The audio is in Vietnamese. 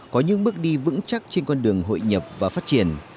có những bước đi vững chắc trên con đường hội nhập và phát triển